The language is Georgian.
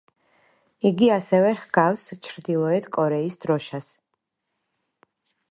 იგი ასევე ჰგავს ჩრდილოეთ კორეის დროშას.